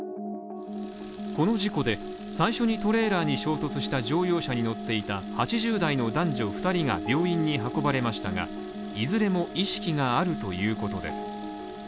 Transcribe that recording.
この事故で最初にトレーラーに衝突した乗用車に乗っていた８０代の男女２人が病院に運ばれましたが、いずれも意識があるということです。